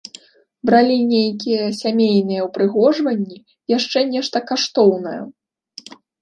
Бралі нейкія сямейныя ўпрыгожанні, яшчэ нешта каштоўнае.